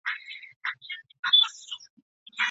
تخصصي روغتونونه کومي څانګي لري؟